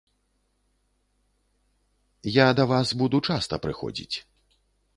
Яда вас буду часта прыходзіць!